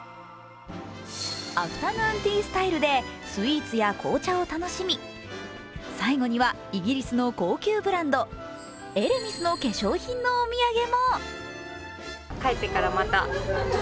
アフタヌーンティースタイルでスイーツや紅茶を楽しみ最後にはイギリスの高級ブランドエレミスの化粧品のお土産も。